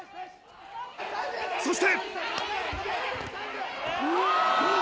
そして。